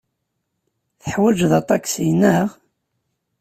Teḥwajeḍ aṭaksi, naɣ?